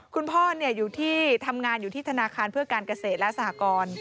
คุณพ่ออยู่ที่ทำงานอยู่ที่ธนาคารเพื่อการเกษตรและสหกร